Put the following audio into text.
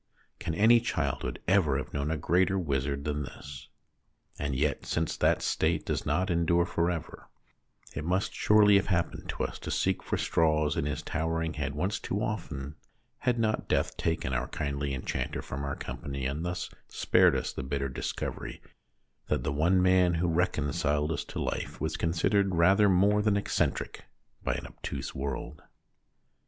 Can any childhood ever have known a greater wizard than this? And yet since that state does not endure for ever, it must surely have happened to us to seek for straws in his towering head once too often, had not death taken our kindly enchanter from our company, and thus spared us the bitter dis covery that the one man who reconciled us to life was considered rather more than eccentric by an obtuse world.